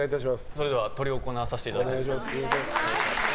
それでは執り行わさせてもらいます。